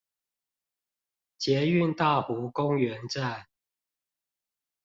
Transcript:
捷運大湖公園站